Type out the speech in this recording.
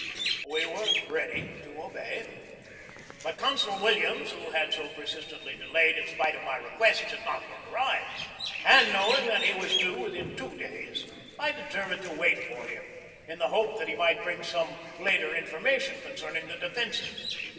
We were ready to obey. But Consul Williams, who had so persistently delayed in spite of my re quests, had not yet arrived, and, knowing that he was due within two days, I determined to wait for him, in the hope that he might bring some later in 196 GEORGE DEWEY formation concerning the defences.